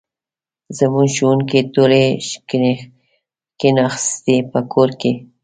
زموږ ښوونکې ټولې کښېناستي په کور کې